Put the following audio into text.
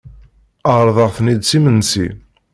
Ɛerḍeɣ-ten-id s imensi.